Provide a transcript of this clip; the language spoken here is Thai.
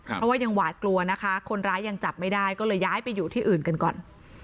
เพราะว่ายังหวาดกลัวนะคะคนร้ายยังจับไม่ได้ก็เลยย้ายไปอยู่ที่อื่นกันก่อน